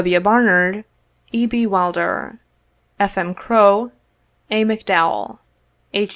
W. Barnard, E. B. Wilder, F. M. Crow, A. McDowell, H.